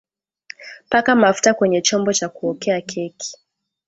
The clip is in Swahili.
Paka mafuta kwenye chombo cha kuokea keki